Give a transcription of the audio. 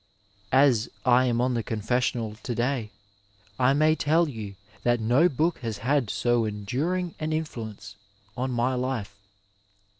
As I am on the confessional to day, I may tell you that no book has had so enduring an influence on my life.